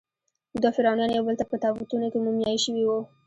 دوه فرعونیان یوبل ته په تابوتونو کې مومیایي شوي وو.